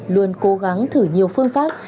luôn cố gắng thử nhiều phương pháp